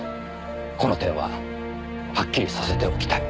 この点ははっきりさせておきたい。